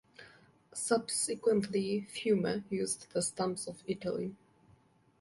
Subsequently Fiume used the stamps of Italy.